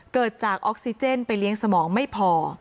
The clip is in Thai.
เกิดจากออกซิเจนไปเลี้ยงสมองไม่พอ